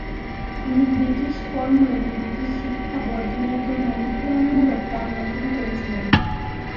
তিনি ব্রিটিশ পণ্য এবং ব্রিটিশ শিক্ষা বর্জনের জন্য অনুপ্রেরণামূলক গান রচনা করেছিলেন।